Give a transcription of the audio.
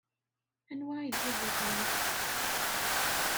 Anwa ay d baba-twent?